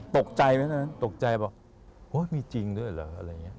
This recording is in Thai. ตกใจไหมนะตกใจบอกโอ๊ยมีจริงด้วยเหรออะไรอย่างนี้